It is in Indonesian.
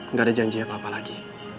nggak ada janji apa apa lagi